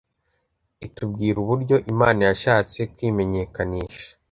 Itubwira uburyo Imana yashatse kwimenyekanisha